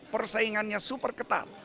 persaingannya super ketat